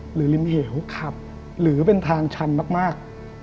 หรือริมเหี่ยวครับหรือเป็นทางชันมากมาก